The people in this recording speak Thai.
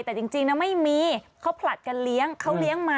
แต่จริงไม่มีเขาผลัดกันเลี้ยง